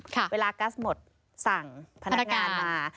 ค่ะเวลาก๊าซหมดสั่งพนักงานมา